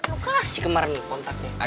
lo kasih kemarin kontaknya